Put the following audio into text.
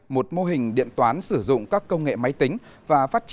một mô hình điện toán sử dụng các công nghệ máy tính